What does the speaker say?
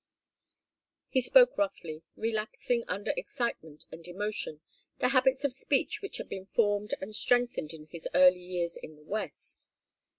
He spoke roughly, relapsing under excitement and emotion to habits of speech which had been formed and strengthened in his early years in the West.